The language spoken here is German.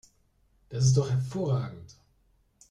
Das ist doch hervorragend!